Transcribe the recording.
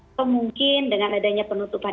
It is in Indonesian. atau mungkin dengan adanya penutupan